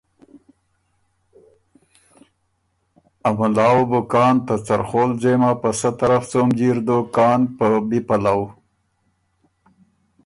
ا مُلا وه بو کان ته څرخول ځېمه په سۀ طرف څوم جیر دوک کان په بی پَلؤ۔